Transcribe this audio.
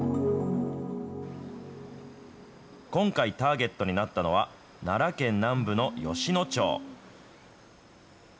今回、ターゲットになったのは、奈良県南部の吉野町。